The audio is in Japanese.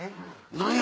何や？